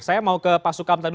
saya mau ke pak sukamta dulu